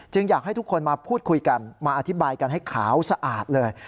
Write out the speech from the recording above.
อยากให้ทุกคนมาพูดคุยกันมาอธิบายกันให้ขาวสะอาดเลย